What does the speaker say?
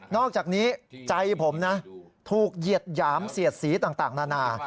อกจากนี้ใจผมนะถูกเหยียดหยามเสียดสีต่างนานา